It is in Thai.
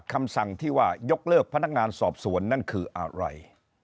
คำสั่งที่ว่ายกเลิกพนักงานสอบสวนนั่นคืออะไร